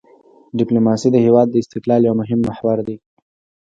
ډیپلوماسي د هېواد د استقلال یو مهم محور دی.